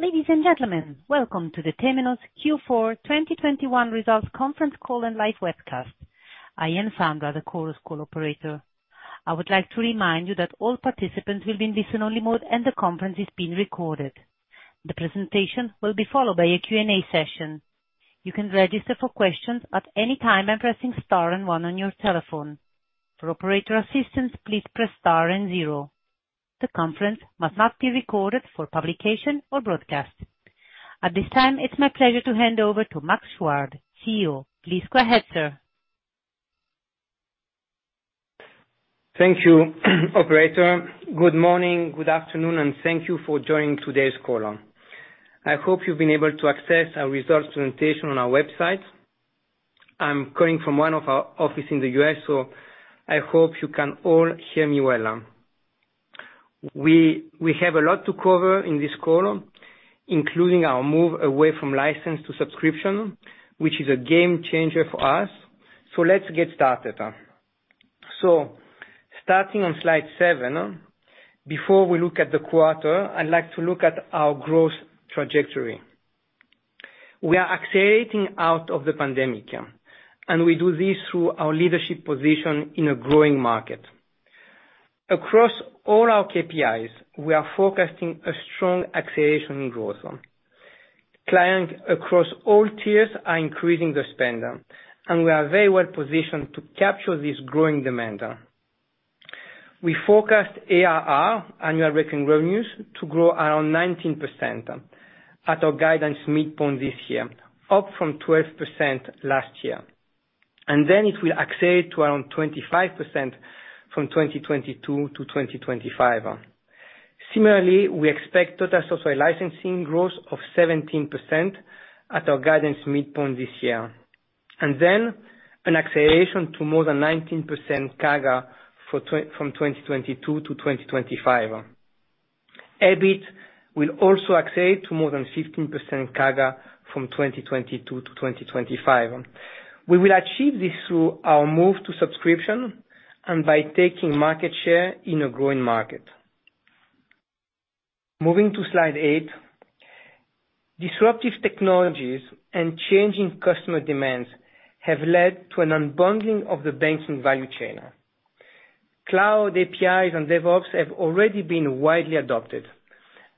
Ladies, and gentlemen, welcome to the Temenos Q4 2021 Results Conference Call and Live Webcast. I am Sandra, the Chorus Call operator. I would like to remind you that all participants will be in listen-only mode, and the conference is being recorded. The presentation will be followed by a Q&A session. You can register for questions at any time by pressing star and one on your telephone. For operator assistance, please press star and zero. The conference must not be recorded for publication or broadcast. At this time, it's my pleasure to hand over to Max Chuard, CEO. Please go ahead, sir. Thank you, Operator. Good morning, good afternoon, and thank you for joining today's call. I hope you've been able to access our results presentation on our website. I'm calling from one of our office in the U.S., so I hope you can all hear me well. We have a lot to cover in this call, including our move away from license to subscription, which is a game-changer for us. Let's get started. Starting on slide seven, before we look at the quarter, I'd like to look at our growth trajectory. We are accelerating out of the pandemic, and we do this through our leadership position in a growing market. Across all our KPIs, we are forecasting a strong acceleration in growth. Clients across all tiers are increasing their spend, and we are very well-positioned to capture this growing demand. We forecast ARR, Annual Recurring Revenues, to grow around 19% at our guidance midpoint this year, up from 12% last year, and then it will accelerate to around 25% from 2022-2025. Similarly, we expect total software licensing growth of 17% at our guidance midpoint this year, and then an acceleration to more than 19% CAGR from 2022-2025. EBIT will also accelerate to more than 15% CAGR from 2022 to 2025. We will achieve this through our move to subscription and by taking market share in a growing market. Moving to slide eight. Disruptive technologies and changing customer demands have led to an unbundling of the banking value chain. Cloud, APIs, and DevOps have already been widely adopted,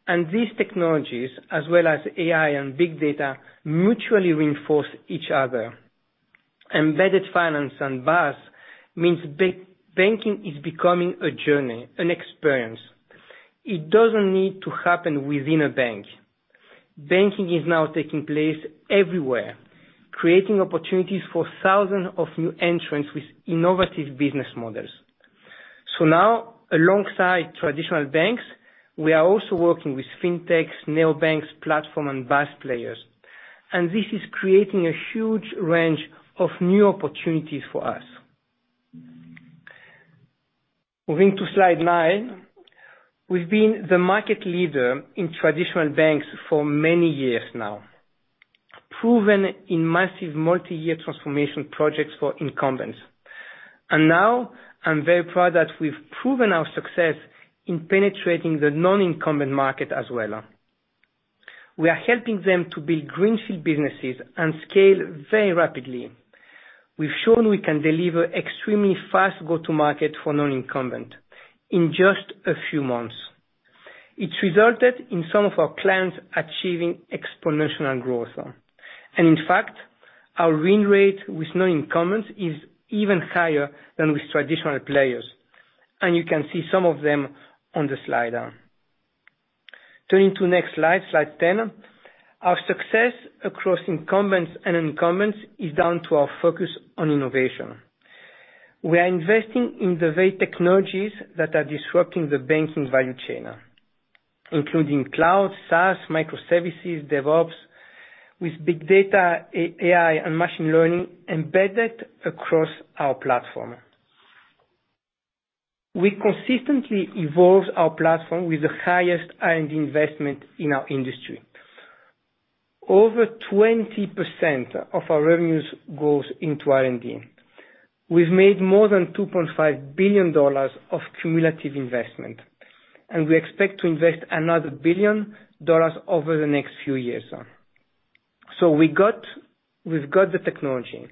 and these technologies, as well as AI and big data, mutually reinforce each other. Embedded finance and BaaS means banking is becoming a journey, an experience. It doesn't need to happen within a bank. Banking is now taking place everywhere, creating opportunities for thousands of new entrants with innovative business models. Now, alongside traditional banks, we are also working with fintechs, neobanks, platform and BaaS players, and this is creating a huge range of new opportunities for us. Moving to slide nine. We've been the market leader in traditional banks for many years now, proven in massive multi-year transformation projects for incumbents. Now I'm very proud that we've proven our success in penetrating the non-incumbent market as well. We are helping them to build greenfield businesses and scale very rapidly. We've shown we can deliver extremely fast go-to-market for non-incumbent in just a few months. It's resulted in some of our clients achieving exponential growth. In fact, our win rate with non-incumbents is even higher than with traditional players, and you can see some of them on the slide. Turning to next slide 10. Our success across incumbents and non-incumbents is down to our focus on innovation. We are investing in the very technologies that are disrupting the banking value chain, including cloud, SaaS, microservices, DevOps with big data, AI, and machine learning embedded across our platform. We consistently evolve our platform with the highest R&D investment in our industry. Over 20% of our revenues goes into R&D. We've made more than $2.5 billion of cumulative investment, and we expect to invest another $1 billion over the next few years. We've got the technology.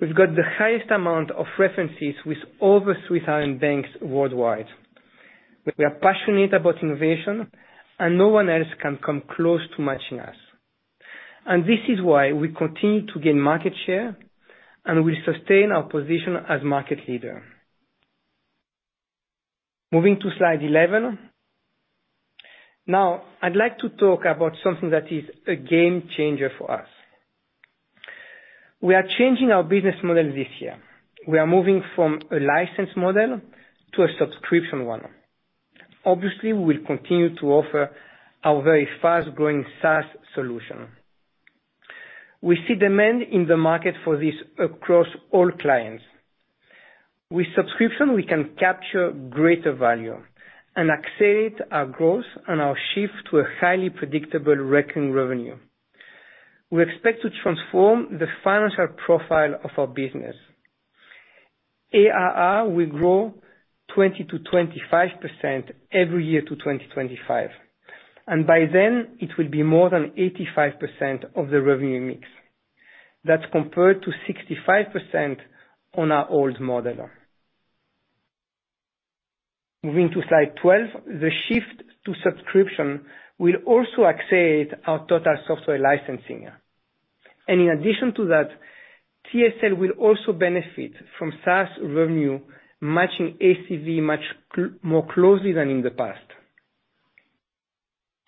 We've got the highest amount of references with over 300 banks worldwide. We are passionate about innovation, and no one else can come close to matching us. This is why we continue to gain market share, and we sustain our position as market leader. Moving to slide 11. Now, I'd like to talk about something that is a game-changer for us. We are changing our business model this year. We are moving from a license model to a subscription one. Obviously, we will continue to offer our very fast-growing SaaS solution. We see demand in the market for this across all clients. With subscription, we can capture greater value and accelerate our growth and our shift to a highly predictable recurring revenue. We expect to transform the financial profile of our business. ARR will grow 20%-25% every year to 2025, and by then it will be more than 85% of the revenue mix. That's compared to 65% on our old model. Moving to slide 12. The shift to subscription will also accelerate our total software licensing. In addition to that, TSL will also benefit from SaaS revenue matching ACV much more closely than in the past.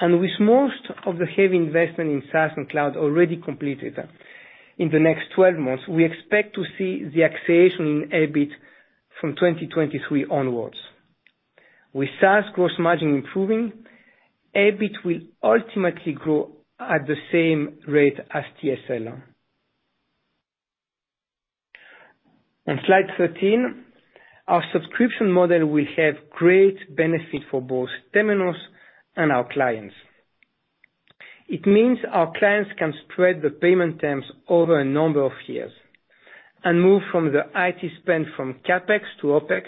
With most of the heavy investment in SaaS and cloud already completed, in the next 12 months, we expect to see the acceleration in EBIT from 2023 onwards. With SaaS gross margin improving, EBIT will ultimately grow at the same rate as TSL. On slide 13, our subscription model will have great benefit for both Temenos and our clients. It means our clients can spread the payment terms over a number of years and move from the IT spend to CapEx to OpEx,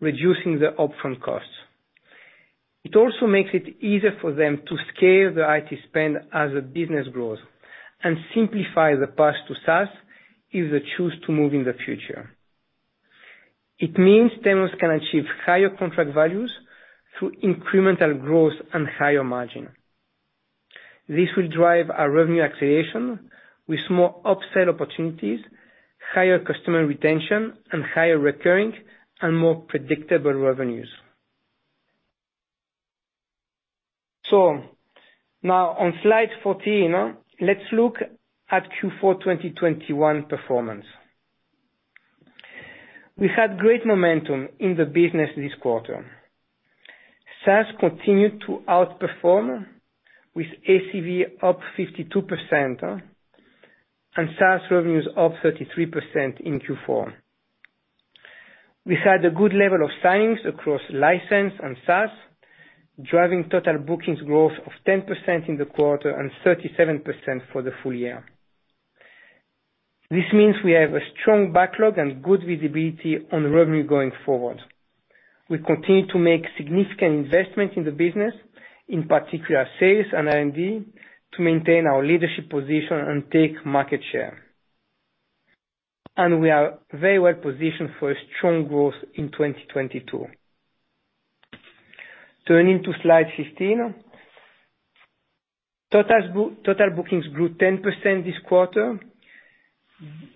reducing the upfront costs. It also makes it easier for them to scale the IT spend as the business grows and simplify the path to SaaS if they choose to move in the future. It means Temenos can achieve higher contract values through incremental growth and higher margin. This will drive our revenue acceleration with more upsell opportunities, higher customer retention, and higher recurring and more predictable revenues. Now on slide 14, let's look at Q4 2021 performance. We've had great momentum in the business this quarter. SaaS continued to outperform with ACV up 52%, and SaaS revenues up 33% in Q4. We've had a good level of signings across license and SaaS, driving total bookings growth of 10% in the quarter and 37% for the full year. This means we have a strong backlog and good visibility on revenue going forward. We continue to make significant investments in the business, in particular sales and R&D, to maintain our leadership position and take market share. We are very well positioned for a strong growth in 2022. Turning to slide 15. Total bookings grew 10% this quarter,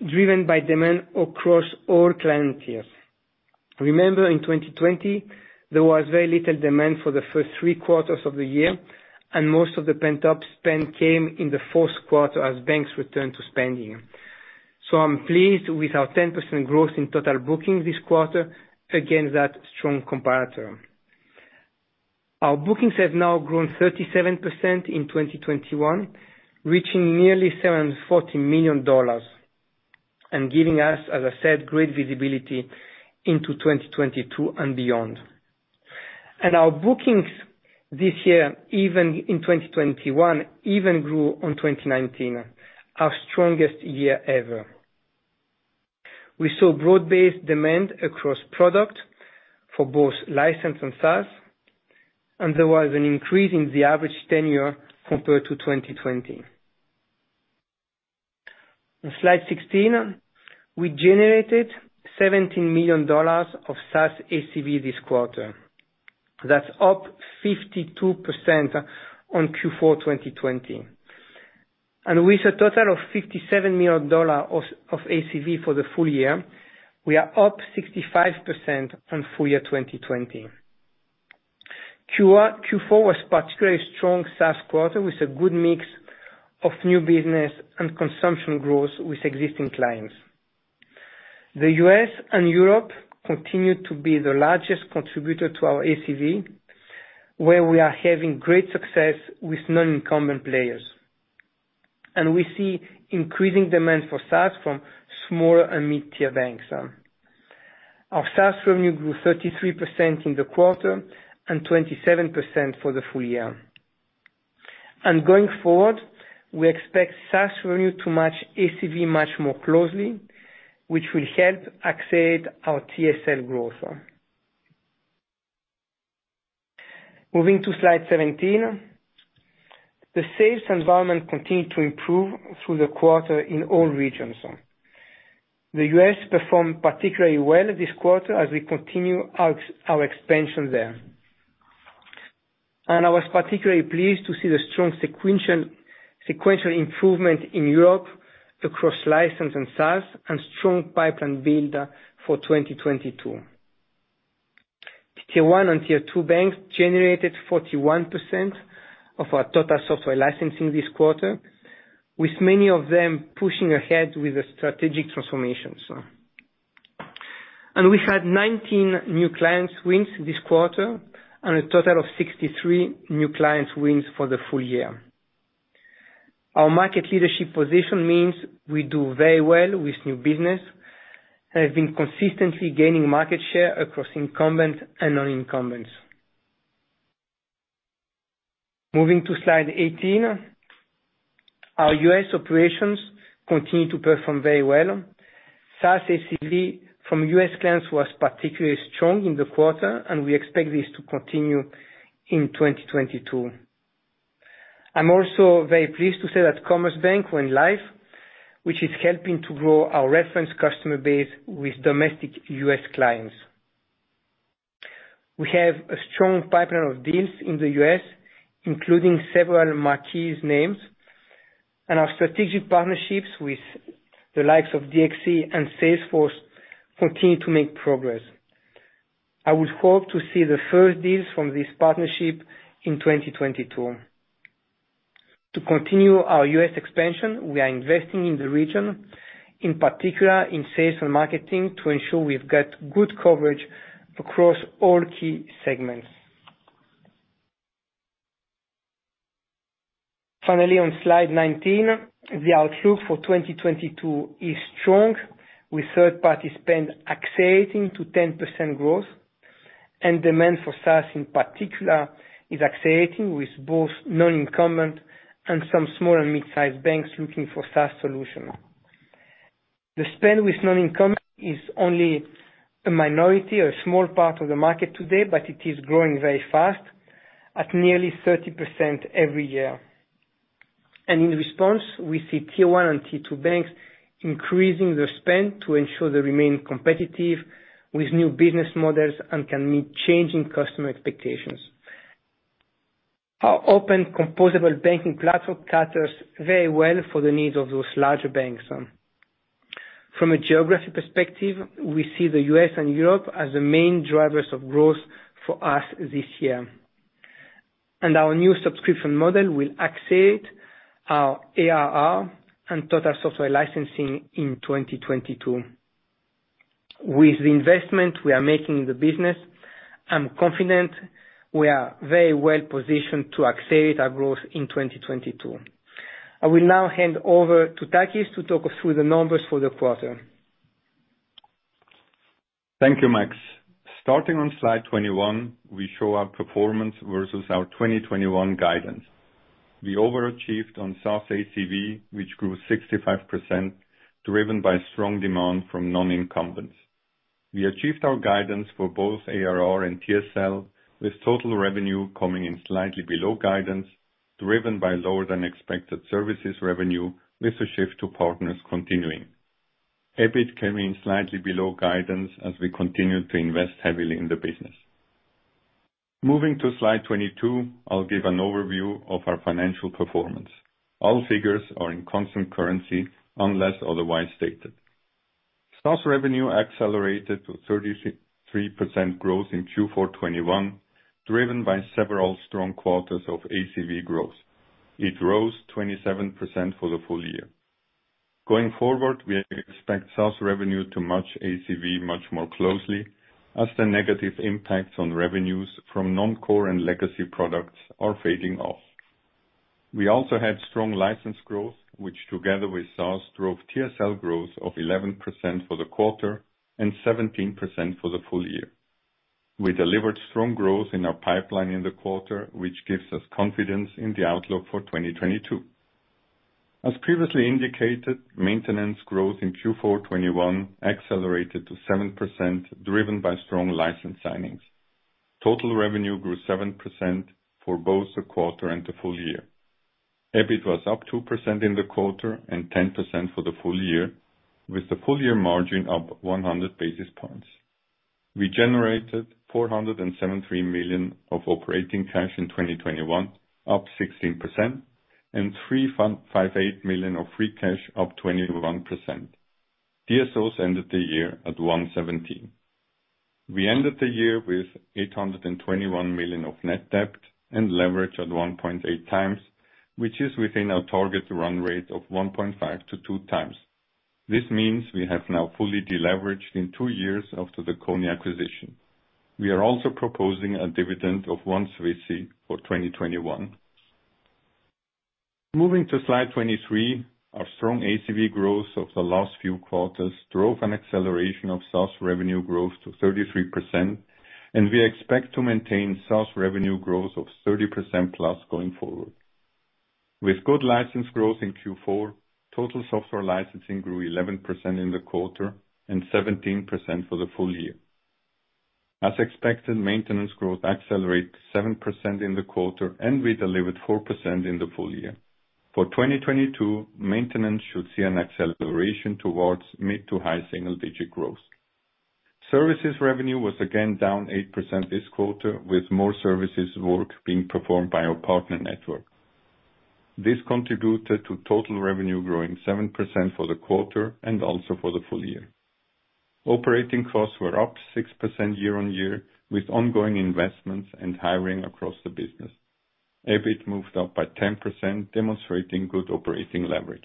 driven by demand across all client tiers. Remember in 2020, there was very little demand for the first three quarters of the year, and most of the pent-up spend came in the fourth quarter as banks returned to spending. I'm pleased with our 10% growth in total bookings this quarter against that strong comparator. Our bookings have now grown 37% in 2021, reaching nearly $740 million and giving us, as I said, great visibility into 2022 and beyond. Our bookings this year, even in 2021, even grew on 2019, our strongest year ever. We saw broad-based demand across product for both license and SaaS, and there was an increase in the average tenure compared to 2020. On slide 16, we generated $17 million of SaaS ACV this quarter. That's up 52% on Q4 2020. With a total of $57 million of ACV for the full year, we are up 65% on full year 2020. Q4 was particularly a strong SaaS quarter, with a good mix of new business and consumption growth with existing clients. The U.S. and Europe continue to be the largest contributor to our ACV, where we are having great success with non-incumbent players. We see increasing demand for SaaS from small and mid-tier banks. Our SaaS revenue grew 33% in the quarter and 27% for the full year. Going forward, we expect SaaS revenue to match ACV much more closely, which will help accelerate our TSL growth. Moving to slide 17. The sales environment continued to improve through the quarter in all regions. The U.S. performed particularly well this quarter as we continue our expansion there. I was particularly pleased to see the strong sequential improvement in Europe across license and SaaS and strong pipeline build for 2022. Tier 1 and Tier 2 banks generated 41% of our total software licensing this quarter, with many of them pushing ahead with the strategic transformations. We've had 19 new clients wins this quarter and a total of 63 new clients wins for the full year. Our market leadership position means we do very well with new business and have been consistently gaining market share across incumbents and non-incumbents. Moving to slide 18. Our U.S. operations continue to perform very well. SaaS ACV from U.S. clients was particularly strong in the quarter, and we expect this to continue in 2022. I'm also very pleased to say that Commerce Bank went live, which is helping to grow our reference customer base with domestic U.S. clients. We have a strong pipeline of deals in the U.S., including several marquee names, and our strategic partnerships with the likes of DXC and Salesforce continue to make progress. I would hope to see the first deals from this partnership in 2022. To continue our U.S. expansion, we are investing in the region, in particular in sales and marketing, to ensure we've got good coverage across all key segments. Finally, on slide 19, the outlook for 2022 is strong with third-party spend accelerating to 10% growth and demand for SaaS in particular is accelerating with both non-incumbent and some small and mid-sized banks looking for SaaS solution. The spend with non-incumbent is only a minority or a small part of the market today, but it is growing very fast at nearly 30% every year. In response, we see Tier 1 and Tier 2 banks increasing their spend to ensure they remain competitive with new business models and can meet changing customer expectations. Our open composable banking platform caters very well for the needs of those larger banks. From a geographic perspective, we see the U.S. and Europe as the main drivers of growth for us this year. Our new subscription model will accelerate our ARR and total software licensing in 2022. With the investment we are making in the business, I'm confident we are very well-positioned to accelerate our growth in 2022. I will now hand over to Takis to talk us through the numbers for the quarter. Thank you, Max. Starting on slide 21, we show our performance versus our 2021 guidance. We overachieved on SaaS ACV, which grew 65%, driven by strong demand from non-incumbents. We achieved our guidance for both ARR and TSL, with total revenue coming in slightly below guidance, driven by lower than expected services revenue, with a shift to partners continuing. EBIT came in slightly below guidance as we continued to invest heavily in the business. Moving to slide 22, I'll give an overview of our financial performance. All figures are in constant currency unless otherwise stated. SaaS revenue accelerated to 33% growth in Q4 2021, driven by several strong quarters of ACV growth. It rose 27% for the full year. Going forward, we expect SaaS revenue to match ACV much more closely as the negative impacts on revenues from non-core and legacy products are fading off. We also had strong license growth, which together with SaaS, drove TSL growth of 11% for the quarter and 17% for the full year. We delivered strong growth in our pipeline in the quarter, which gives us confidence in the outlook for 2022. As previously indicated, maintenance growth in Q4 2021 accelerated to 7%, driven by strong license signings. Total revenue grew 7% for both the quarter and the full year. EBIT was up 2% in the quarter and 10% for the full year, with the full year margin up 100 basis points. We generated $473 million of operating cash in 2021, up 16% and $358 million of free cash, up 21%. DSOs ended the year at 117. We ended the year with $821 million of net debt and leverage at 1.8x, which is within our target run rate of 1.5x-2x. This means we have now fully deleveraged in two years after the Kony acquisition. We are also proposing a dividend of 1 for 2021. Moving to slide 23. Our strong ACV growth of the last few quarters drove an acceleration of SaaS revenue growth to 33%, and we expect to maintain SaaS revenue growth of 30%+ going forward. With good license growth in Q4, total software licensing grew 11% in the quarter and 17% for the full year. As expected, maintenance growth accelerated 7% in the quarter, and we delivered 4% in the full year. For 2022, maintenance should see an acceleration towards mid- to high-single-digit growth. Services revenue was again down 8% this quarter, with more services work being performed by our partner network. This contributed to total revenue growing 7% for the quarter and also for the full year. Operating costs were up 6% year-on-year, with ongoing investments and hiring across the business. EBIT moved up by 10%, demonstrating good operating leverage.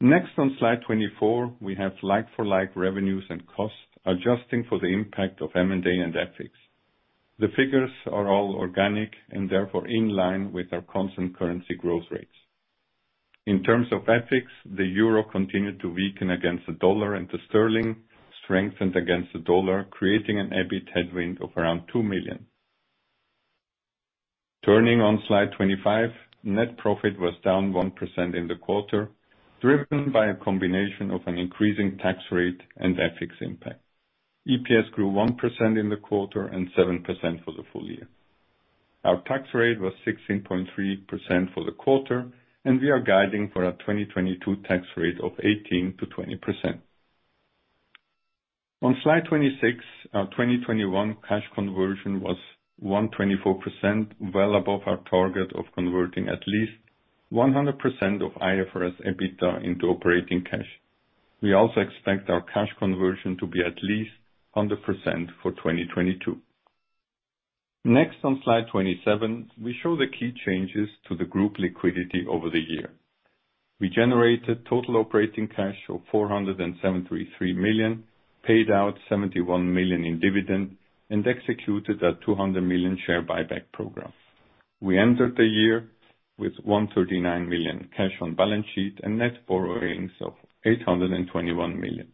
Next on slide 24, we have like-for-like revenues and costs, adjusting for the impact of M&A and FX. The figures are all organic and therefore in line with our constant currency growth rates. In terms of FX effects, the euro continued to weaken against the dollar, and the sterling strengthened against the dollar, creating an EBIT headwind of around $2 million. Turning to slide 25, net profit was down 1% in the quarter, driven by a combination of an increasing tax rate and FX impact. EPS grew 1% in the quarter and 7% for the full year. Our tax rate was 16.3% for the quarter, and we are guiding for a 2022 tax rate of 18%-20%. On slide 26, our 2021 cash conversion was 124%, well above our target of converting at least 100% of IFRS EBITDA into operating cash. We also expect our cash conversion to be at least 100% for 2022. Next, on slide 27, we show the key changes to the group liquidity over the year. We generated total operating cash of $473 million, paid out $71 million in dividend, and executed a $200 million share buyback program. We ended the year with $139 million cash on balance sheet and net borrowings of $821 million.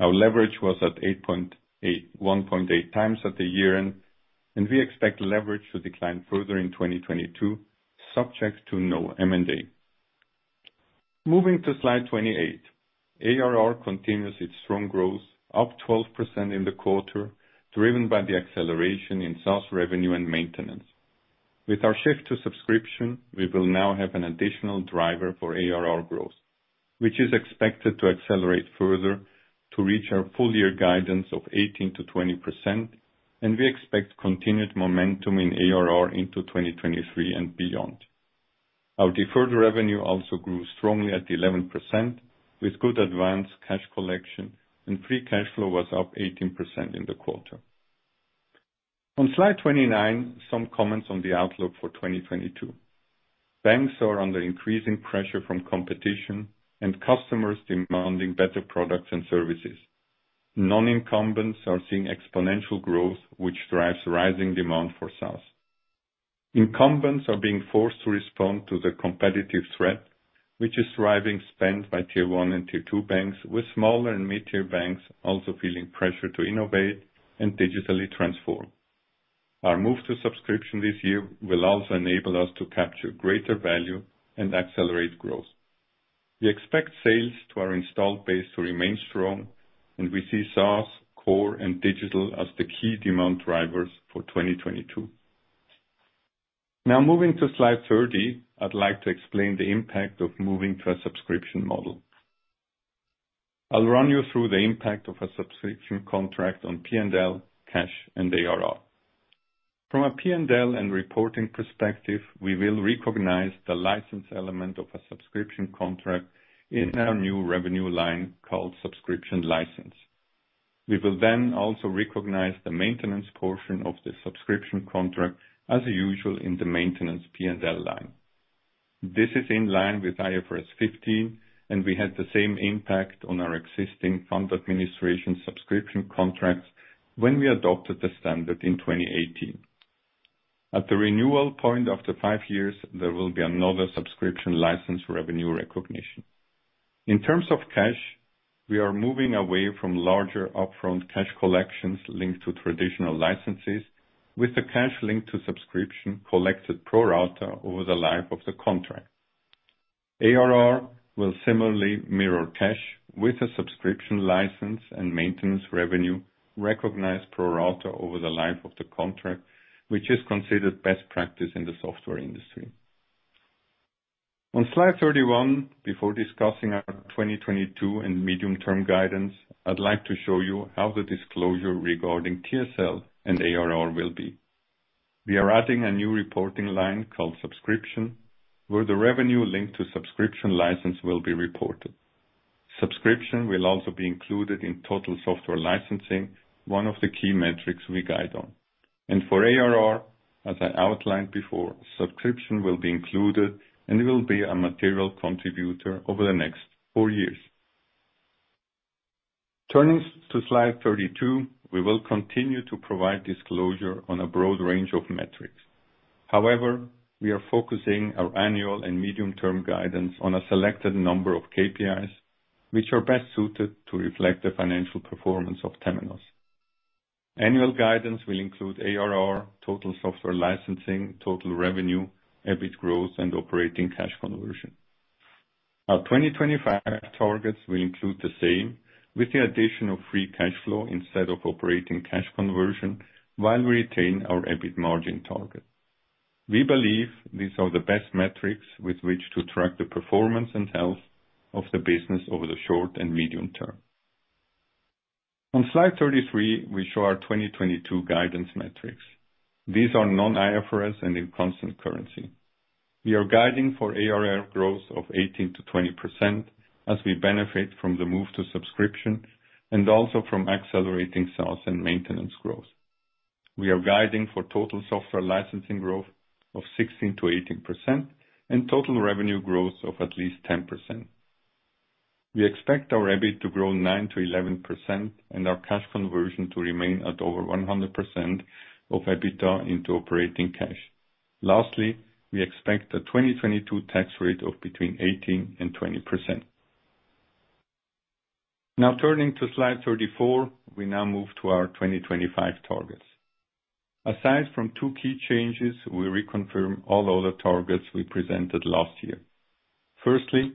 Our leverage was at 1.8x at the year-end, and we expect leverage to decline further in 2022, subject to no M&A. Moving to slide 28, ARR continues its strong growth, up 12% in the quarter, driven by the acceleration in SaaS revenue and maintenance. With our shift to subscription, we will now have an additional driver for ARR growth, which is expected to accelerate further to reach our full year guidance of 18%-20%, and we expect continued momentum in ARR into 2023 and beyond. Our deferred revenue also grew strongly at 11%, with good advance cash collection, and free cash flow was up 18% in the quarter. On slide 29, some comments on the outlook for 2022. Banks are under increasing pressure from competition and customers demanding better products and services. Non-incumbents are seeing exponential growth, which drives rising demand for SaaS. Incumbents are being forced to respond to the competitive threat, which is driving spend by Tier 1 and Tier 2 banks, with smaller and mid-tier banks also feeling pressure to innovate and digitally transform. Our move to subscription this year will also enable us to capture greater value and accelerate growth. We expect sales to our installed base to remain strong, and we see SaaS, core, and digital as the key demand drivers for 2022. Now, moving to slide 30, I'd like to explain the impact of moving to a subscription model. I'll run you through the impact of a subscription contract on P&L, cash, and ARR. From a P&L and reporting perspective, we will recognize the license element of a subscription contract in our new revenue line called subscription license. We will then also recognize the maintenance portion of the subscription contract as usual in the maintenance P&L line. This is in line with IFRS 15, and we had the same impact on our existing fund administration subscription contracts when we adopted the standard in 2018. At the renewal point after five years, there will be another subscription license revenue recognition. In terms of cash, we are moving away from larger upfront cash collections linked to traditional licenses, with the cash linked to subscription collected pro rata over the life of the contract. ARR will similarly mirror cash with a subscription license and maintenance revenue recognized pro rata over the life of the contract, which is considered best practice in the software industry. On slide 31, before discussing our 2022 and medium-term guidance, I'd like to show you how the disclosure regarding TSL and ARR will be. We are adding a new reporting line called subscription, where the revenue linked to subscription license will be reported. Subscription will also be included in total software licensing, one of the key metrics we guide on. For ARR, as I outlined before, subscription will be included and will be a material contributor over the next four years. Turning to slide 32, we will continue to provide disclosure on a broad range of metrics. However, we are focusing our annual and medium-term guidance on a selected number of KPIs which are best suited to reflect the financial performance of Temenos. Annual guidance will include ARR, total software licensing, total revenue, EBIT growth, and operating cash conversion. Our 2025 targets will include the same, with the addition of free cash flow instead of operating cash conversion, while we retain our EBIT margin target. We believe these are the best metrics with which to track the performance and health of the business over the short and medium term. On slide 33, we show our 2022 guidance metrics. These are non-IFRS and in constant currency. We are guiding for ARR growth of 18%-20% as we benefit from the move to subscription and also from accelerating SaaS and maintenance growth. We are guiding for total software licensing growth of 16%-18% and total revenue growth of at least 10%. We expect our EBIT to grow 9%-11% and our cash conversion to remain at over 100% of EBITDA into operating cash. Lastly, we expect a 2022 tax rate of between 18% and 20%. Now turning to slide 34, we now move to our 2025 targets. Aside from two key changes, we reconfirm all other targets we presented last year. Firstly,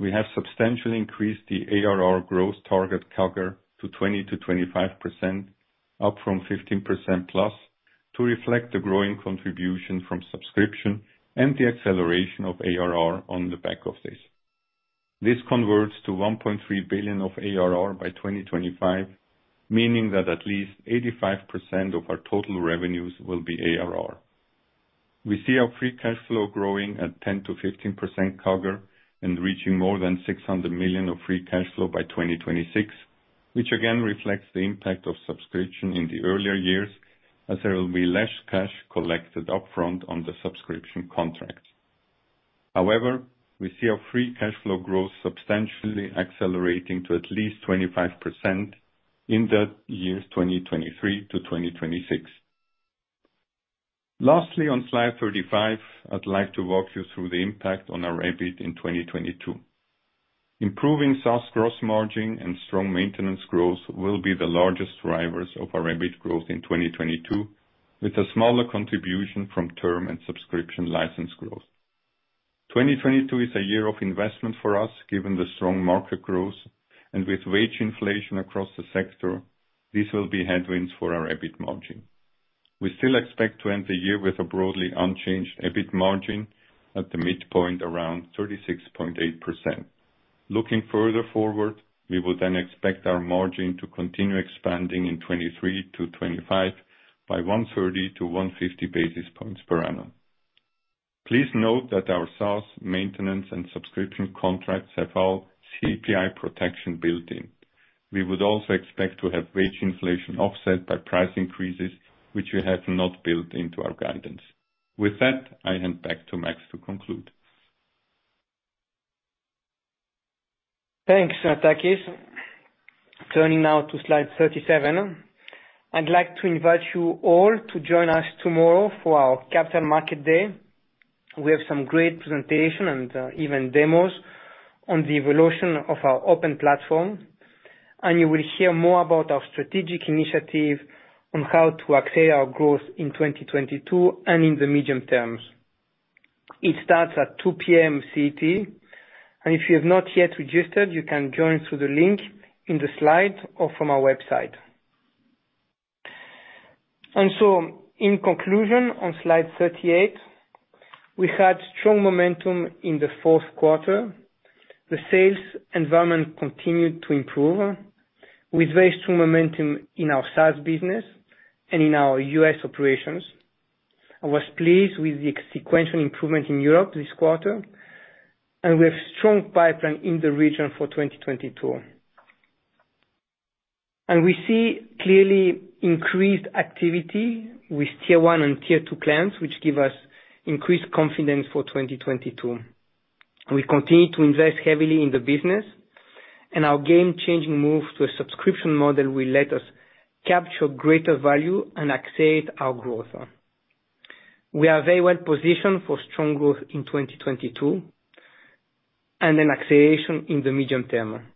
we have substantially increased the ARR growth target CAGR to 20%-25%, up from 15%+, to reflect the growing contribution from subscription and the acceleration of ARR on the back of this. This converts to $1.3 billion of ARR by 2025, meaning that at least 85% of our total revenues will be ARR. We see our free cash flow growing at 10%-15% CAGR and reaching more than $600 million of free cash flow by 2026, which again reflects the impact of subscription in the earlier years as there will be less cash collected upfront on the subscription contract. However, we see our free cash flow growth substantially accelerating to at least 25% in the years 2023-2026. Lastly, on slide 35, I'd like to walk you through the impact on our EBIT in 2022. Improving SaaS gross margin and strong maintenance growth will be the largest drivers of our EBIT growth in 2022, with a smaller contribution from term and subscription license growth. 2022 is a year of investment for us, given the strong market growth and with wage inflation across the sector, this will be headwinds for our EBIT margin. We still expect to end the year with a broadly unchanged EBIT margin at the midpoint around 36.8%. Looking further forward, we will then expect our margin to continue expanding in 2023-2025 by 130-150 basis points per annum. Please note that our SaaS maintenance and subscription contracts have all CPI protection built in. We would also expect to have wage inflation offset by price increases, which we have not built into our guidance. With that, I hand back to Max to conclude. Thanks, Takis. Turning now to slide 37. I'd like to invite you all to join us tomorrow for our Capital Markets Day. We have some great presentation and even demos on the evolution of our open platform, and you will hear more about our strategic initiative on how to accelerate our growth in 2022 and in the medium term. It starts at 2:00 P.M. CET. If you have not yet registered, you can join through the link in the slide or from our website. In conclusion, on slide 38, we had strong momentum in the fourth quarter. The sales environment continued to improve with very strong momentum in our SaaS business and in our U.S. operations. I was pleased with the sequential improvement in Europe this quarter, and we have strong pipeline in the region for 2022. We see clearly increased activity with Tier 1 and Tier 2 clients, which give us increased confidence for 2022. We continue to invest heavily in the business, and our game-changing move to a subscription model will let us capture greater value and accelerate our growth. We are very well positioned for strong growth in 2022 and an acceleration in the medium term.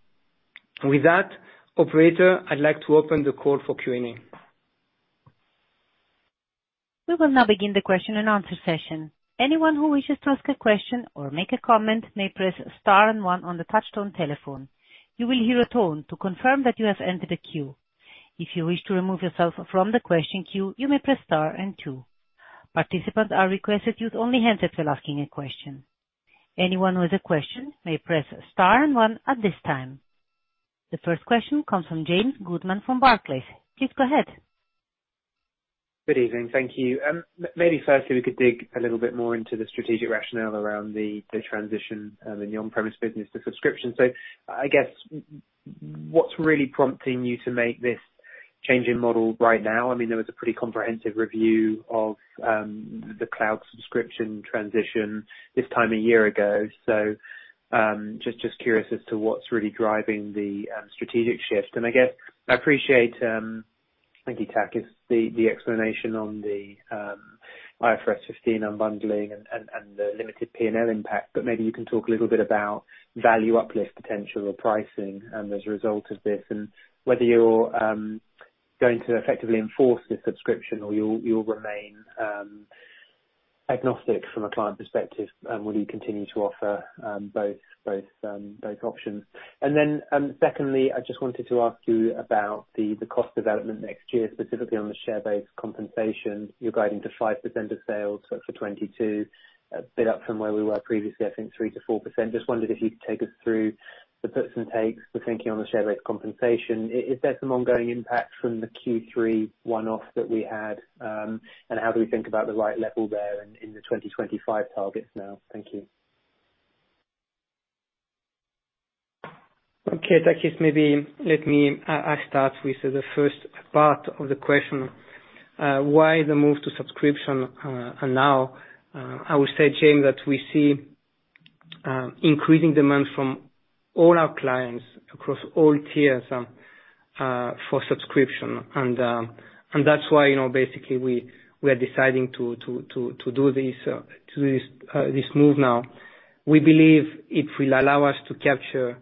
With that, operator, I'd like to open the call for Q&A. We will now begin the question-and-answer session. Anyone who wishes to ask a question or make a comment may press star and one on the touch-tone telephone. You will hear a tone to confirm that you have entered a queue. If you wish to remove yourself from the question queue, you may press star and two. Participants are requested to use only your handset if you're asking a question. Anyone with a question may press star and one at this time. The first question comes from James Goodman from Barclays. Please go ahead. Good evening. Thank you. Maybe firstly, we could dig a little bit more into the strategic rationale around the transition in the on-premise business to subscription. I guess what's really prompting you to make this change in model right now? I mean, there was a pretty comprehensive review of the cloud subscription transition this time a year ago. Just curious as to what's really driving the strategic shift. I guess I appreciate, thank you, Takis, the explanation on the IFRS 15 unbundling and the limited P&L impact. Maybe you can talk a little bit about value uplift potential or pricing, as a result of this, and whether you're going to effectively enforce the subscription or you'll remain agnostic from a client perspective, will you continue to offer both options? Secondly, I just wanted to ask you about the cost development next year, specifically on the share-based compensation. You're guiding to 5% of sales for 2022, a bit up from where we were previously, I think 3%-4%. Just wondered if you could take us through the puts and takes for thinking on the share-based compensation. Is there some ongoing impact from the Q3 one-off that we had? And how do we think about the right level there in the 2025 targets now? Thank you. Okay, Takis, maybe let me, I start with the first part of the question. Why the move to subscription, and now, I would say, James, that we see increasing demand from all our clients across all tiers, for subscription. That's why, you know, basically we are deciding to do this move now. We believe it will allow us to capture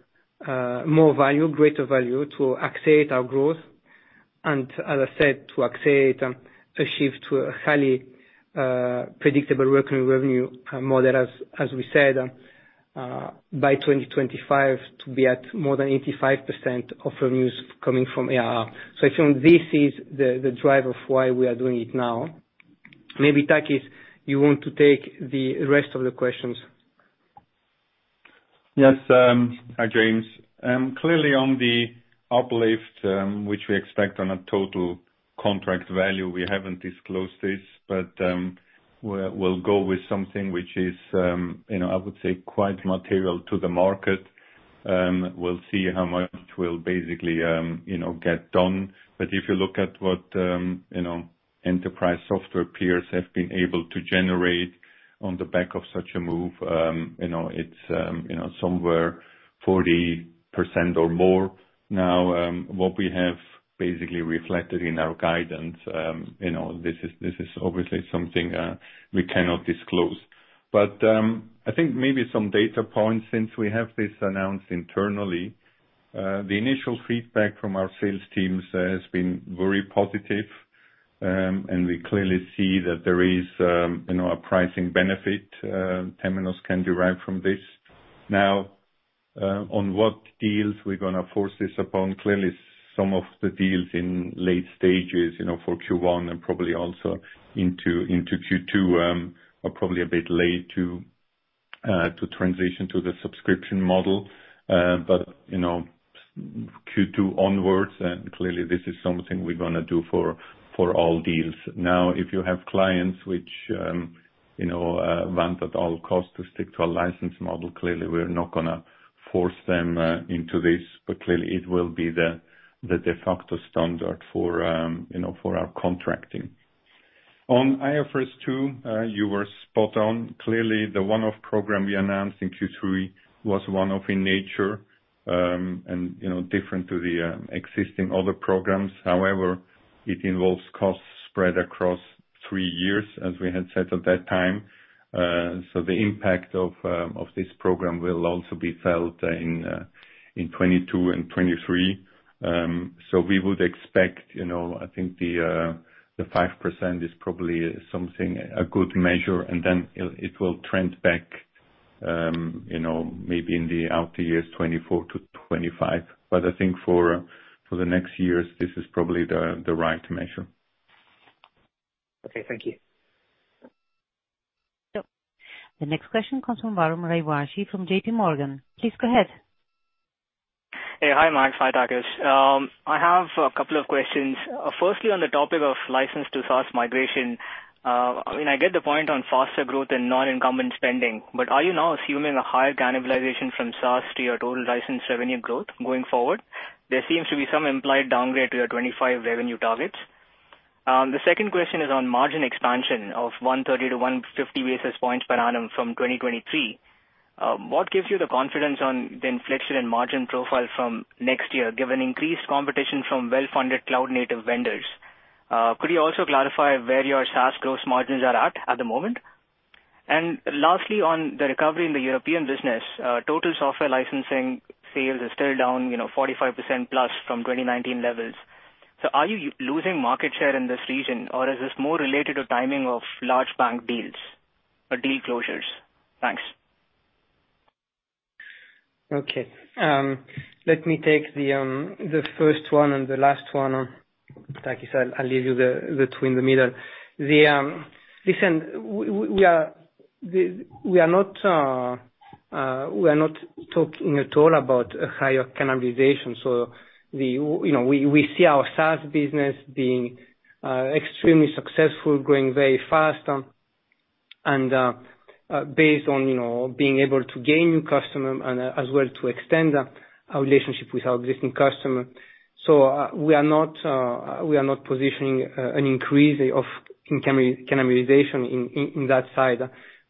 more value, greater value to accelerate our growth. As I said, to accelerate a shift to a highly predictable recurring revenue model as we said, by 2025 to be at more than 85% of revenues coming from ARR. I think this is the drive of why we are doing it now. Maybe Takis, you want to take the rest of the questions. Yes. Hi, James. Clearly on the uplift, which we expect on a total contract value, we haven't disclosed this, but we'll go with something which is, you know, I would say quite material to the market. We'll see how much will basically, you know, get done. If you look at what, you know, enterprise software peers have been able to generate on the back of such a move, you know, it's somewhere 40% or more now. What we have basically reflected in our guidance, you know, this is obviously something we cannot disclose. I think maybe some data points since we have this announced internally. The initial feedback from our sales teams has been very positive, and we clearly see that there is, you know, a pricing benefit, Temenos can derive from this. Now, on what deals we're gonna force this upon, clearly some of the deals in late stages, you know, for Q1 and probably also into Q2, are probably a bit late to transition to the subscription model. You know, Q2 onwards, clearly this is something we're gonna do for all deals. Now, if you have clients which, you know, want at all cost to stick to a license model, clearly we're not gonna force them into this, but clearly it will be the de facto standard for, you know, for our contracting. On IFRS 2, you were spot on. Clearly, the one-off program we announced in Q3 was one-off in nature, and you know, different to the existing other programs. However, it involves costs spread across three years as we had said at that time. The impact of this program will also be felt in 2022 and 2023. We would expect, you know, I think the 5% is probably something, a good measure, and then it will trend back, you know, maybe in the out years 2024-2025. But I think for the next years, this is probably the right measure. Okay, thank you. The next question comes from Varun Rajwanshi from JPMorgan. Please go ahead. Hey. Hi, Max. Hi, Takis. I have a couple of questions. Firstly, on the topic of license to SaaS migration, I mean, I get the point on faster growth and non-incumbent spending, but are you now assuming a higher cannibalization from SaaS to your total license revenue growth going forward? There seems to be some implied downgrade to your 2025 revenue targets. The second question is on margin expansion of 130-150 basis points per annum from 2023. What gives you the confidence on the inflection and margin profile from next year given increased competition from well-funded cloud-native vendors? Could you also clarify where your SaaS gross margins are at the moment? And lastly, on the recovery in the European business, total software licensing sales are still down, you know, 45%+ from 2019 levels. Are you losing market share in this region or is this more related to timing of large bank deals or deal closures? Thanks. Okay. Let me take the first one and the last one. Takis, I'll leave you the two in the middle. Listen, we are not talking at all about a higher cannibalization. We, you know, see our SaaS business being extremely successful, growing very fast, and based on, you know, being able to gain new customer and as well to extend our relationship with our existing customer. We are not positioning an increase of cannibalization in that side.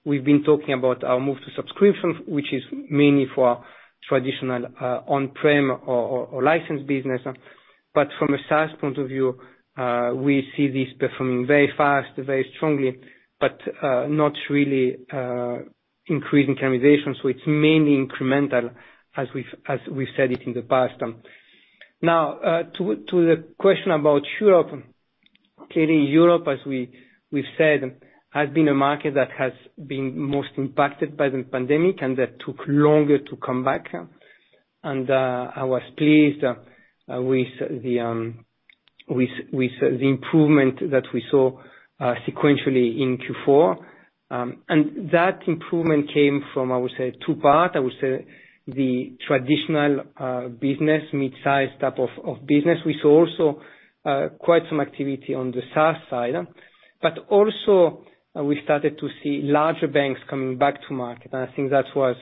We've been talking about our move to subscription, which is mainly for traditional on-prem or license business. From a SaaS point of view, we see this performing very fast, very strongly, but not really increasing cannibalization. So it's mainly incremental as we've said it in the past. Now, to the question about Europe. Clearly Europe, as we've said, has been a market that has been most impacted by the pandemic and that took longer to come back. I was pleased with the improvement that we saw sequentially in Q4. That improvement came from, I would say two part. I would say the traditional business, mid-size type of business. We saw also quite some activity on the SaaS side, but also we started to see larger banks coming back to market. I think that was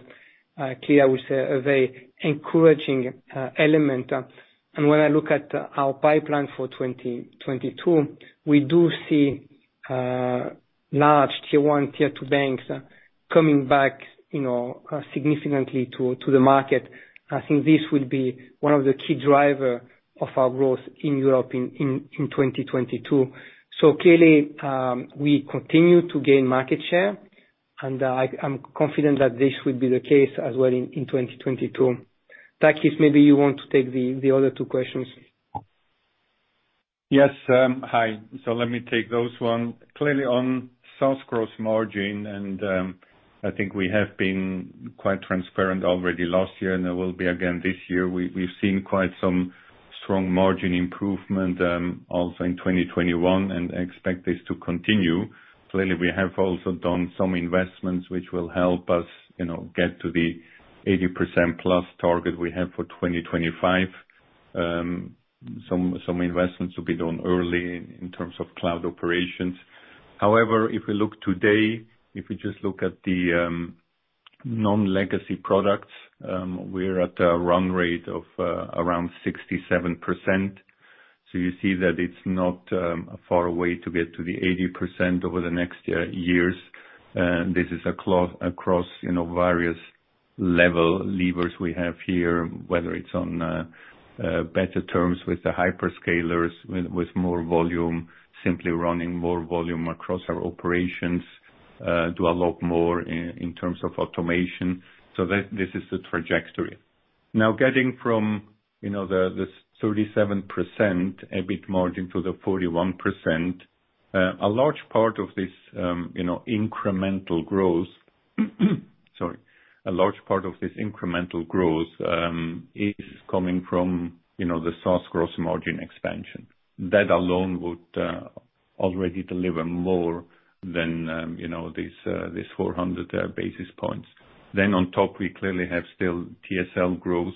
clearly I would say a very encouraging element. When I look at our pipeline for 2022, we do see large Tier 1, Tier 2 banks coming back, you know, significantly to the market. I think this will be one of the key driver of our growth in Europe in 2022. Clearly, we continue to gain market share, and I'm confident that this will be the case as well in 2022. Takis, maybe you want to take the other two questions. Yes. Hi. Let me take those one. Clearly on SaaS gross margin, I think we have been quite transparent already last year, and I will be again this year. We've seen quite some strong margin improvement, also in 2021, and expect this to continue. Clearly, we have also done some investments which will help us, you know, get to the 80%+ target we have for 2025. Some investments will be done early in terms of cloud operations. However, if we look today, if we just look at the non-legacy products, we're at a run rate of around 67%. So you see that it's not far away to get to the 80% over the next years. This is across, you know, various level levers we have here, whether it's on better terms with the hyperscalers, with more volume, simply running more volume across our operations, do a lot more in terms of automation. This is the trajectory. Now getting from, you know, the 37% EBIT margin to the 41%, a large part of this incremental growth is coming from, you know, the SaaS gross margin expansion. That alone would already deliver more than, you know, this 400 basis points. On top, we clearly have still TSL growth,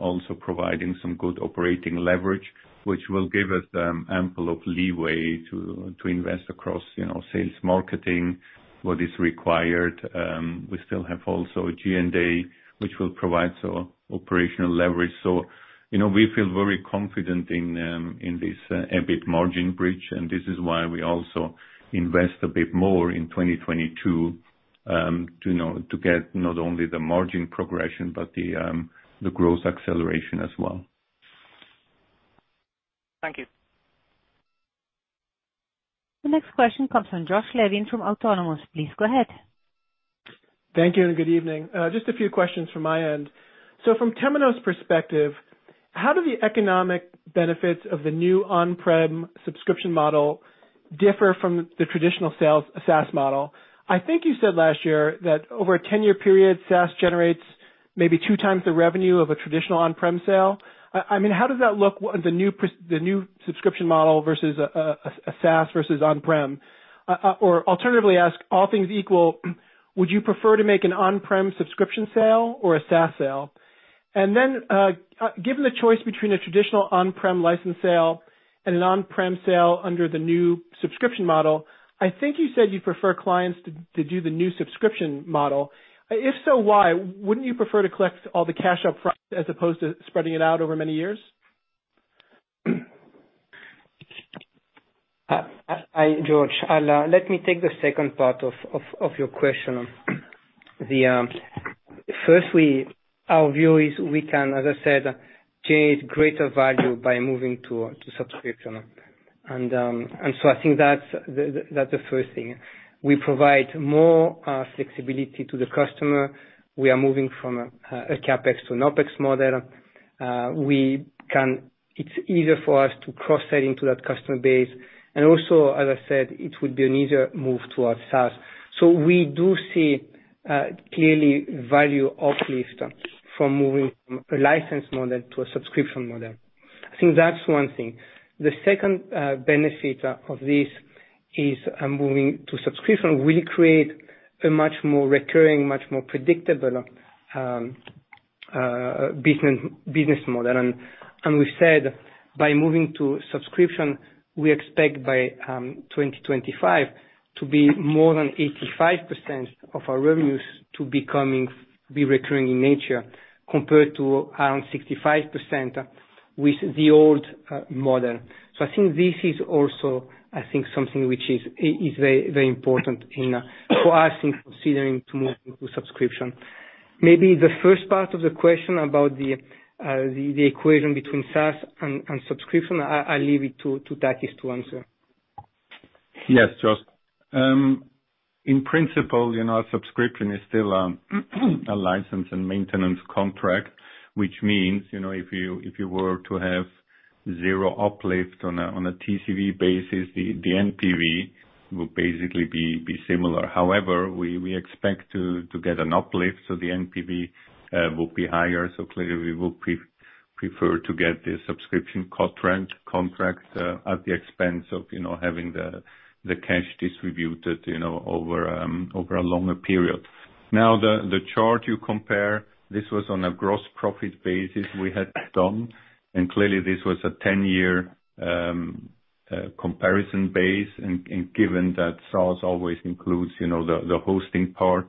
also providing some good operating leverage, which will give us ample of leeway to invest across, you know, sales, marketing, what is required. We still have also G&A, which will provide some operational leverage. You know, we feel very confident in this EBIT margin bridge, and this is why we also invest a bit more in 2022 to get not only the margin progression, but the growth acceleration as well. Thank you. The next question comes from Josh Levin from Autonomous. Please go ahead. Thank you, and good evening. Just a few questions from my end. From Temenos perspective, how do the economic benefits of the new on-prem subscription model differ from the traditional sales SaaS model? I think you said last year that over a 10-year period, SaaS generates maybe 2x the revenue of a traditional on-prem sale. I mean, how does that look, the new subscription model versus a SaaS versus on-prem? Or, alternatively, all things equal, would you prefer to make an on-prem subscription sale or a SaaS sale? Given the choice between a traditional on-prem license sale and an on-prem sale under the new subscription model, I think you said you prefer clients to do the new subscription model. If so, why? Wouldn't you prefer to collect all the cash up front as opposed to spreading it out over many years? Hi, Josh. Let me take the second part of your question. Our view is we can, as I said, create greater value by moving to subscription. I think that's the first thing. We provide more flexibility to the customer. We are moving from a CapEx to an OpEx model. It's easier for us to cross-sell into that customer base. Also, as I said, it would be an easier move to our SaaS. We do see clearly value uplift from moving from a license model to a subscription model. I think that's one thing. The second benefit of this is moving to subscription will create a much more recurring, much more predictable business model. We said by moving to subscription, we expect by 2025 to be more than 85% of our revenues becoming recurring in nature compared to around 65% with the old model. I think this is also, I think, something which is very, very important for us in considering to move into subscription. Maybe the first part of the question about the equation between SaaS and subscription, I leave it to Takis to answer. Yes, Josh. In principle, you know, subscription is still a license and maintenance contract, which means, you know, if you were to have zero uplift on a TCV basis, the NPV will basically be similar. However, we expect to get an uplift, so the NPV will be higher. Clearly, we will prefer to get the subscription contract at the expense of, you know, having the cash distributed, you know, over a longer period. Now, the chart you compare, this was on a gross profit basis we had done, and clearly, this was a 10-year comparison basis and given that SaaS always includes, you know, the hosting part.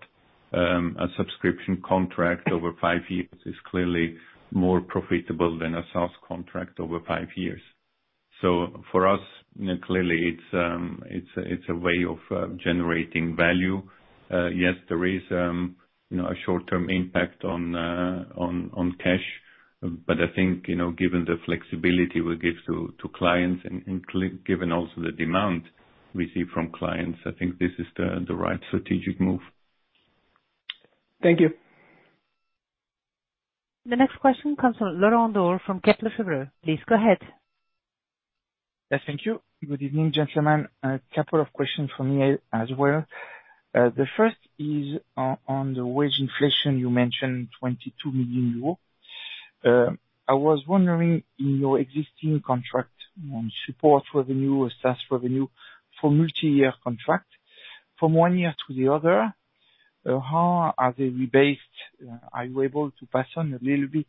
A subscription contract over five years is clearly more profitable than a SaaS contract over five years. For us, you know, clearly it's a way of generating value. Yes, there is, you know, a short-term impact on cash, but I think, you know, given the flexibility we give to clients, given also the demand we see from clients, I think this is the right strategic move. Thank you. The next question comes from Laurent Daure from Kepler Cheuvreux. Please go ahead. Yes, thank you. Good evening, gentlemen. A couple of questions from me as well. The first is on the wage inflation. You mentioned 22 million euro. I was wondering, in your existing contract on support revenue or SaaS revenue for multiyear contract, from one year to the other, how are they rebased? Are you able to pass on a little bit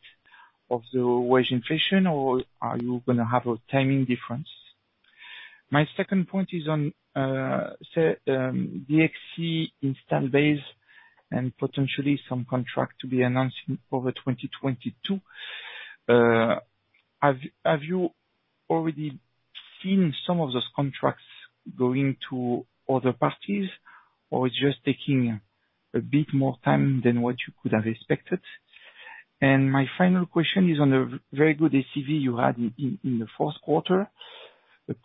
of the wage inflation, or are you gonna have a timing difference? My second point is on DXC install base and potentially some contract to be announced over 2022. Have you already seen some of those contracts going to other parties or just taking a bit more time than what you could have expected? My final question is on the very good ACV you had in the fourth quarter.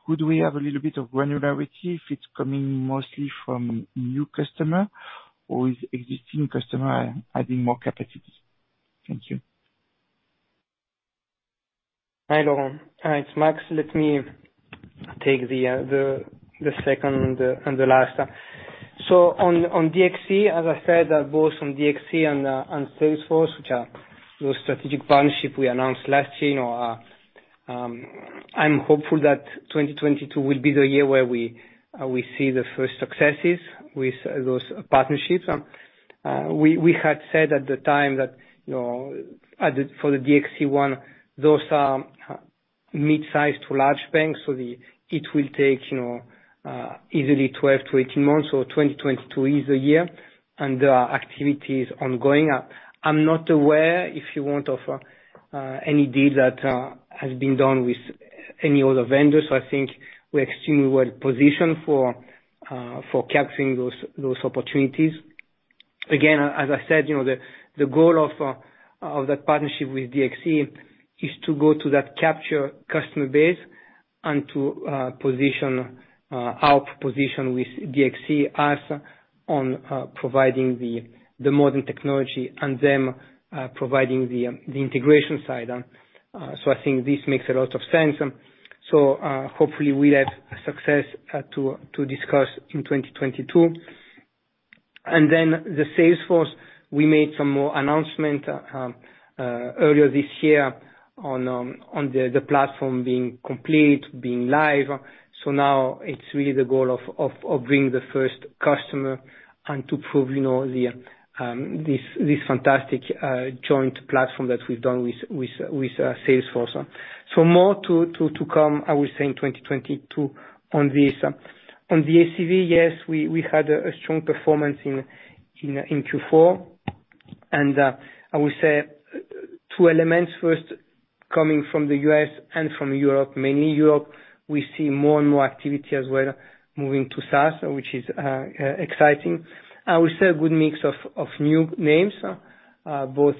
Could we have a little bit of granularity if it's coming mostly from new customer or is existing customer adding more capacities? Thank you. Hi, Laurent. Hi, it's Max. Let me take the second and the last. On DXC, as I said, both on DXC and Salesforce, which are new strategic partnership we announced last year, you know, I'm hopeful that 2022 will be the year where we see the first successes with those partnerships. We had said at the time that, you know, for the DXC one, those are mid-sized to large banks, so it will take, you know, easily 12-18 months, or 2022 is the year, and the activity is ongoing. I'm not aware, if you want, of any deal that has been done with any other vendors. I think we're extremely well positioned for capturing those opportunities. Again, as I said, you know, the goal of that partnership with DXC is to go to that capture customer base and to position our position with DXC as on providing the modern technology and them providing the integration side. I think this makes a lot of sense. Hopefully we'll have success to discuss in 2022. The Salesforce, we made some more announcement earlier this year on the platform being complete, being live. Now it's really the goal of bringing the first customer and to prove, you know, this fantastic joint platform that we've done with Salesforce. More to come, I would say, in 2022 on this. On the ACV, yes, we had a strong performance in Q4. I would say two elements. First, coming from the U.S. and from Europe, mainly Europe, we see more and more activity as well moving to SaaS, which is exciting. I would say a good mix of new names, both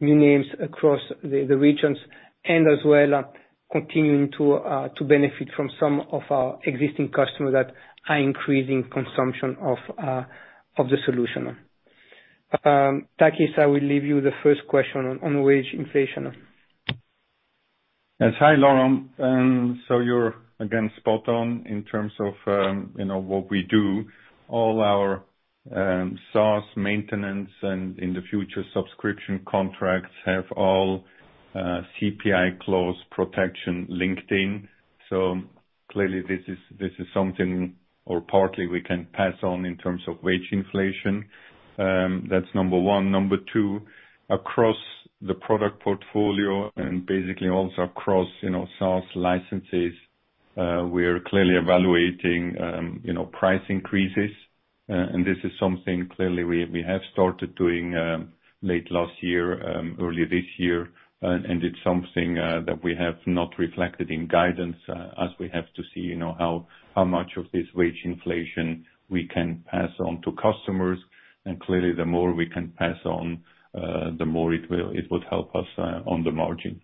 new names across the regions and as well continuing to benefit from some of our existing customers that are increasing consumption of the solution. Takis, I will leave you the first question on wage inflation. Yes. Hi, Laurent. You're again spot on in terms of, you know, what we do. All our SaaS maintenance and in the future subscription contracts have all CPI clause protection linked in. Clearly this is something or partly we can pass on in terms of wage inflation. That's number one. Number two, across the product portfolio and basically also across, you know, SaaS licenses, we're clearly evaluating, you know, price increases. This is something clearly we have started doing late last year, early this year. It's something that we have not reflected in guidance as we have to see, you know, how much of this wage inflation we can pass on to customers. Clearly the more we can pass on, the more it would help us on the margin.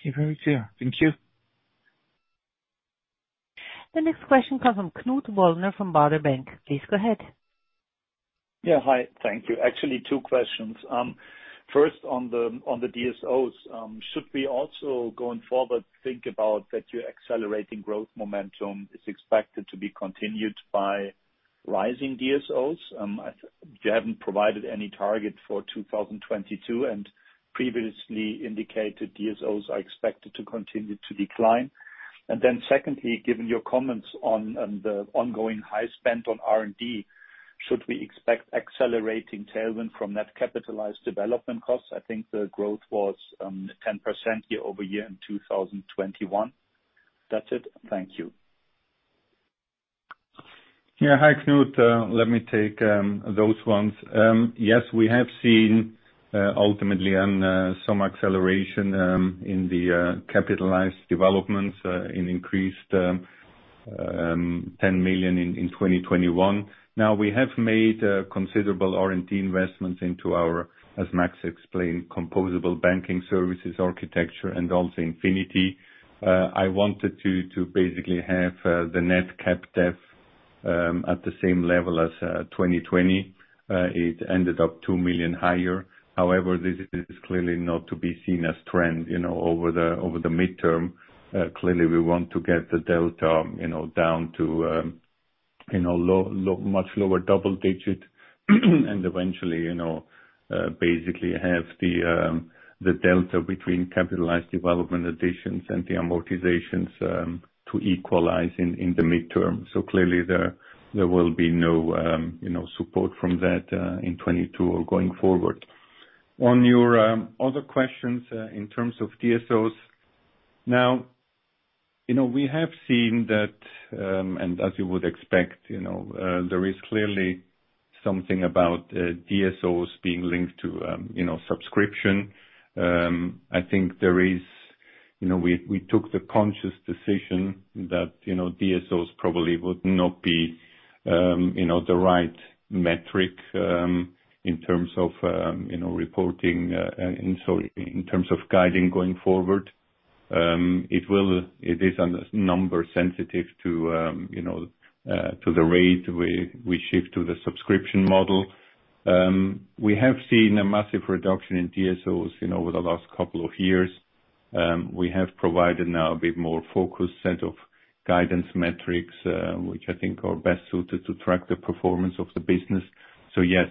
Okay. Very clear. Thank you. The next question comes from Knut Woller from Baader Bank. Please go ahead. Yeah. Hi. Thank you. Actually, two questions. First on the DSOs. Should we also, going forward, think about that your accelerating growth momentum is expected to be continued by rising DSOs? You haven't provided any target for 2022 and previously indicated DSOs are expected to continue to decline. Then secondly, given your comments on the ongoing high spend on R&D, should we expect accelerating tailwind from net capitalized development costs? I think the growth was 10% year-over-year in 2021. That's it. Thank you. Yeah. Hi, Knut. Let me take those ones. Yes, we have seen ultimately and some acceleration in the capitalized developments, an increased $10 million in 2021. Now, we have made considerable R&D investments into our, as Max explained, composable banking services architecture and also Infinity. I wanted to basically have the net cap dev at the same level as 2020. It ended up $2 million higher. However, this is clearly not to be seen as trend, you know, over the midterm. Clearly we want to get the delta, you know, down to, you know, low much lower double digit, and eventually, you know, basically have the delta between capitalized development additions and the amortizations to equalize in the midterm. Clearly there will be no, you know, support from that in 2022 or going forward. On your other questions in terms of DSOs. Now, you know, we have seen that, and as you would expect, you know, there is clearly something about DSOs being linked to, you know, subscription. I think there is. You know, we took the conscious decision that, you know, DSOs probably would not be, you know, the right metric in terms of, you know, reporting, and so in terms of guiding going forward, it is somewhat sensitive to, you know, to the rate we shift to the subscription model. We have seen a massive reduction in DSOs, you know, over the last couple of years. We have provided now a bit more focused set of guidance metrics, which I think are best suited to track the performance of the business. Yes,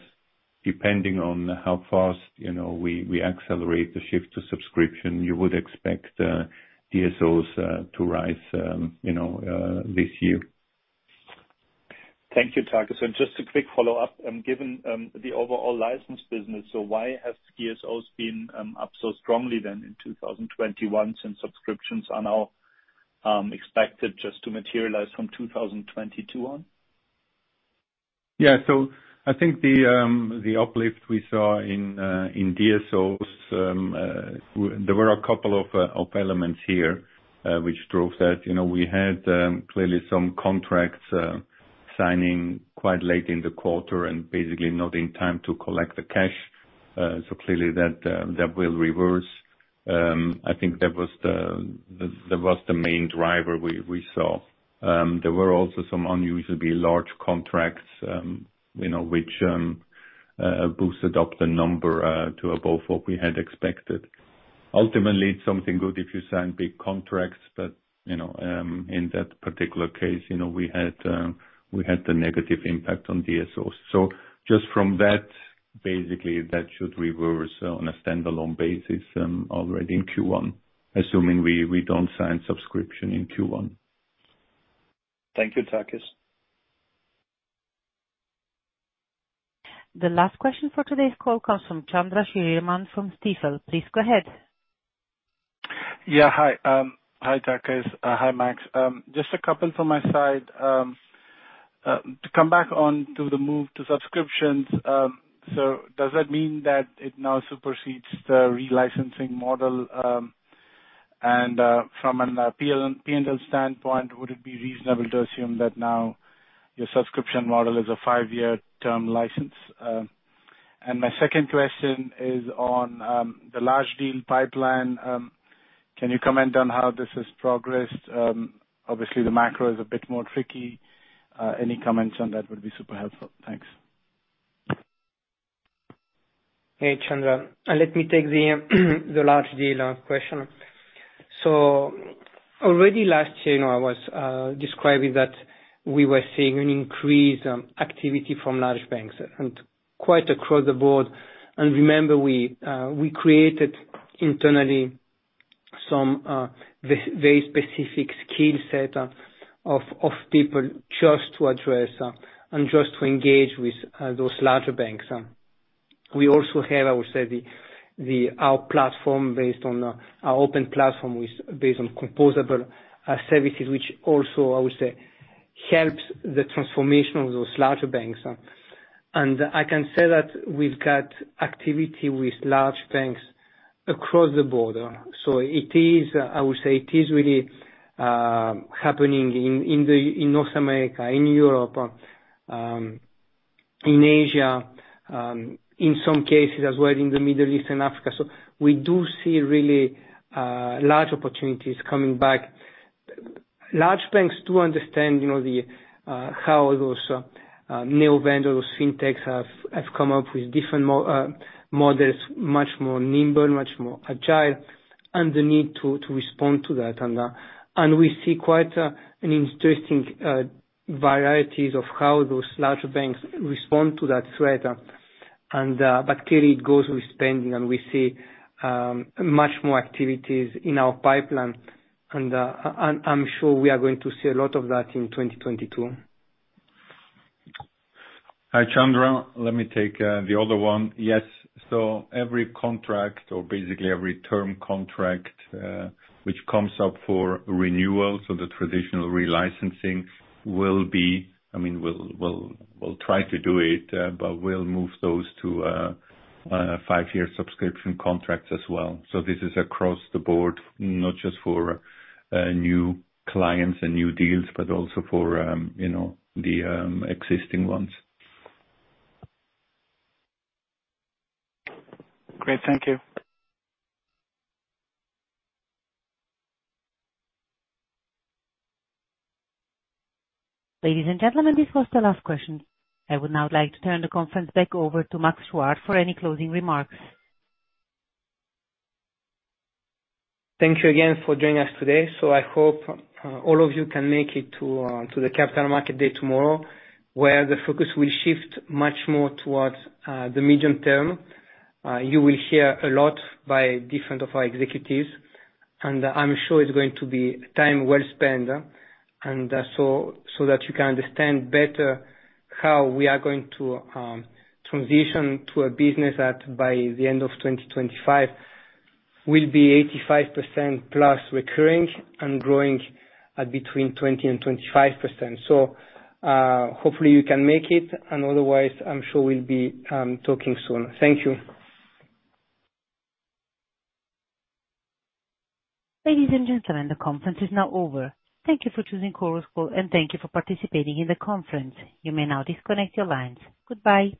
depending on how fast, you know, we accelerate the shift to subscription, you would expect DSOs to rise, you know, this year. Thank you, Takis. Just a quick follow-up. Given the overall license business, why has DSOs been up so strongly then in 2021 since subscriptions are now expected just to materialize from 2022 on? Yeah. I think the uplift we saw in DSOs, there were a couple of elements here, which drove that. You know, we had clearly some contracts signing quite late in the quarter and basically not in time to collect the cash. Clearly that will reverse. I think that was the main driver we saw. There were also some unusually large contracts, you know, which boosted up the number to above what we had expected. Ultimately, it's something good if you sign big contracts but, you know, in that particular case, you know, we had the negative impact on DSOs. Just from that, basically that should reverse on a standalone basis, already in Q1, assuming we don't sign subscription in Q1. Thank you, Takis. The last question for today's call comes from Chandra Sriraman from Stifel. Please go ahead. Yeah. Hi. Hi, Takis. Hi, Max. Just a couple from my side. To come back onto the move to subscriptions. Does that mean that it now supersedes the relicensing model? From a P&L standpoint, would it be reasonable to assume that now your subscription model is a five-year term license? My second question is on the large deal pipeline. Can you comment on how this has progressed? Obviously the macro is a bit more tricky. Any comments on that would be super helpful. Thanks. Hey, Chandra. Let me take the large deal question. Already last year, you know, I was describing that we were seeing an increased activity from large banks and quite across the board. Remember we created internally some very specific skill set of people just to address and just to engage with those larger banks. We also have, I would say, our platform based on our open platform is based on composable services, which also, I would say, helps the transformation of those larger banks. I can say that we've got activity with large banks across the board. It is, I would say, really happening in North America, in Europe, in Asia, in some cases as well in the Middle East and Africa. We do see really large opportunities coming back. Large banks do understand, you know, the how those neo vendors, fintechs have come up with different models, much more nimble, much more agile, and the need to respond to that. We see quite an interesting varieties of how those larger banks respond to that threat. But clearly it goes with spending, and we see much more activities in our pipeline. I'm sure we are going to see a lot of that in 2022. Hi, Chandra. Let me take the other one. Yes. Every contract or basically every term contract which comes up for renewal, the traditional relicensing will be, I mean, we'll try to do it, but we'll move those to five-year subscription contracts as well. This is across the board, not just for new clients and new deals, but also for you know, the existing ones. Great. Thank you. Ladies, and gentlemen, this was the last question. I would now like to turn the conference back over to Max Chuard for any closing remarks. Thank you again for joining us today. I hope all of you can make it to the Capital Markets Day tomorrow, where the focus will shift much more towards the medium term. You will hear a lot from different executives, and I'm sure it's going to be time well spent that you can understand better how we are going to transition to a business that by the end of 2025 will be 85%+ recurring and growing at between 20% and 25%. Hopefully you can make it, and otherwise, I'm sure we'll be talking soon. Thank you. Ladies, and gentlemen, the conference is now over. Thank you for choosing Chorus Call, and thank you for participating in the conference. You may now disconnect your lines. Goodbye.